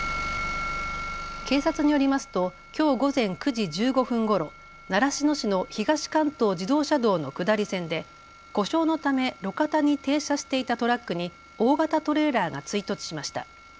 警察によりますときょう午前９時１５分ごろ、習志野市の東関東自動車道の下り線で故障のため路肩に停車していたトラックに大型トレーラーが追突しました。